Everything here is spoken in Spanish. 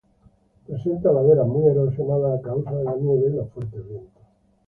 Presenta laderas muy erosionadas a causa de la nieve y los fuertes vientos.